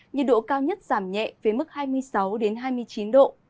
nhiệt độ cao nhất giảm nhẹ với mức hai mươi sáu hai mươi chín độ